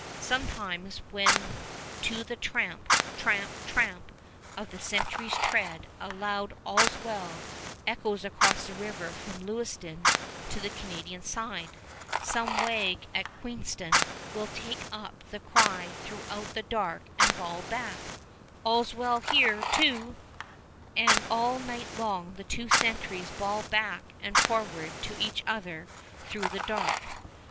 Sometimes, when to the tramp tramp tramp of the sentry's tread a loud "All's well" echoes across the river from Lewiston to the Canadian side, some wag at Queenston will take up the cry through the dark and bawl back, "All's well here too"; and all night long the two sentries bawl back and forward to each other through the dark.